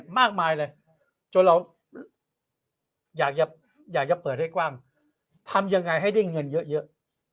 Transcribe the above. มากมายเลยจนเราอยากจะเปิดให้กว้างทำยังไงให้ได้เงินเยอะ